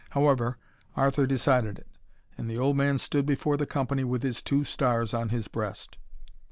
However, Arthur decided it: and the old man stood before the company with his two stars on his breast.